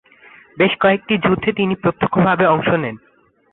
বেশ কয়েকটি যুদ্ধে তিনি প্রত্যক্ষভাবে অংশ নেন।